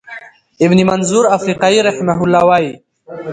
ابن منظور افریقایی رحمه الله وایی،